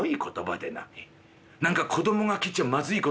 「へ何か子供が聞いちゃまずいこと」。